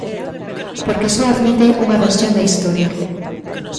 "Porque só admite unha versión da historia".